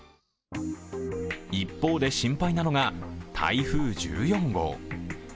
一方で心配なのが台風１４号。